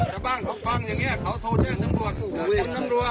มาดูหน่อยแต่บ้านเนี่ยไม่ได้หลับได้นอนเลย